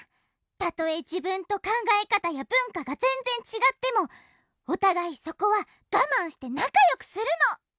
たとえじぶんとかんがえかたやぶんかがぜんぜんちがってもおたがいそこはがまんしてなかよくするの。